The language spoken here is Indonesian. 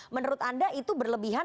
menurut anda itu berlebihan